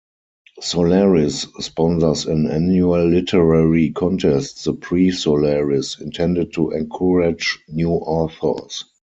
"Solaris" sponsors an annual literary contest, the Prix Solaris, intended to encourage new authors.